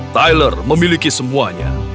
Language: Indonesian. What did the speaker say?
tyler memiliki semuanya